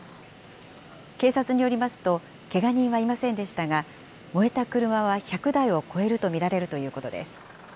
警察によりますと、けが人はいませんでしたが、燃えた車は１００台を超えると見られるということです。